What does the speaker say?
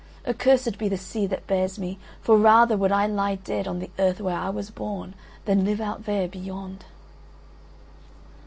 Accursed be the sea that bears me, for rather would I lie dead on the earth where I was born than live out there, beyond.